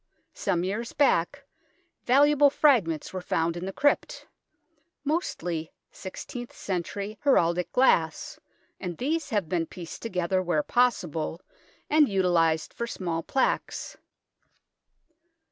Some years back valuable fragments were found in the crypt, mostly sixteenth century heraldic glass, and these have been pieced together where possible and utilized for small plaques.